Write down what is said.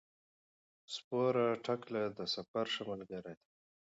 سپوره ټکله د سفر ښه ملګری دی.